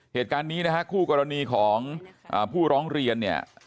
เหตุการณ์นี้นะฮะคู่กรณีของผู้ร้องเรียนเนี่ย